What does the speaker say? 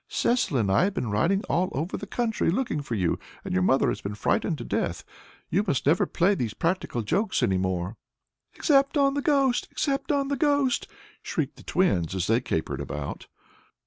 "Cecil and I have been riding all over the country looking for you, and your mother has been frightened to death. You must never play these practical jokes any more." "Except on the ghost! except on the ghost!" shrieked the twins, as they capered about.